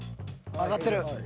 ［上がってる］